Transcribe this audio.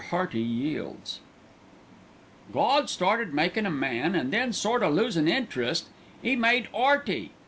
HEARTY YIELDS "Gawd started makin' a man, an' then, sort o' losin' interest, 'E made 'Earty.